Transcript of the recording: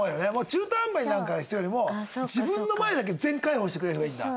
中途半端な人よりも自分の前だけ全解放してくれる人がいいんだ